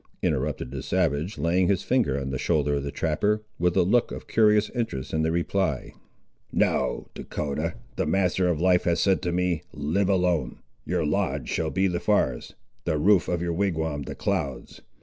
interrupted the savage, laying his finger on the shoulder of the trapper, with a look of curious interest in the reply. "No, Dahcotah. The Master of Life has said to me, Live alone; your lodge shall be the forest; the roof of your wigwam, the clouds.